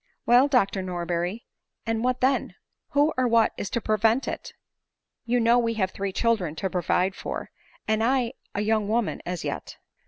"Well, Dr Norberry, and what then ?— Who or what is to prevent it ?— You know we have three children to provide for ; and I am a young woman as yet."